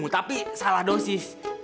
tapi salah dosis